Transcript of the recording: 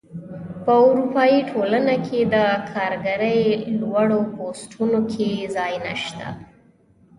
په اروپايي ټولنه کې د کارګرۍ لوړو پوستونو کې ځای نشته.